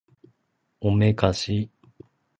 おめかし